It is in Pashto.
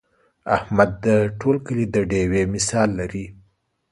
احمد د ټول کلي د ډېوې مثال لري.